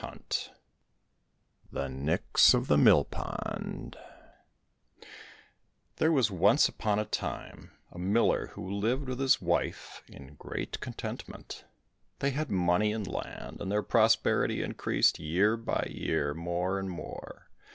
181 The Nix of the Mill Pond There was once upon a time a miller who lived with his wife in great contentment. They had money and land, and their prosperity increased year by year more and more.